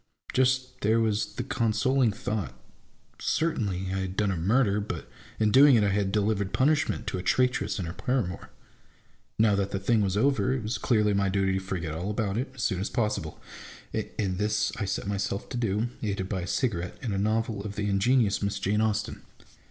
Just there was the consoling thought : certainly I had done a murder, but in doing it I had delivered punishment to a traitress and her paramour. Now that the thing was over, it was clearly my duty to forget all about it as soon as possible ; and this I set myself to do, aided by a cigarette and a novel of the ingenious Miss Jane Austen.